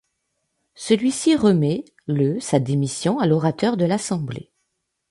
Celui-ci remet, le sa démission à l'orateur de l'Assemblée.